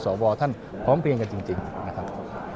ท่านพร้อมเพียงกันจริงนะครับ